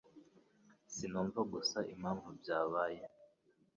Sinumva gusa impamvu byabaye.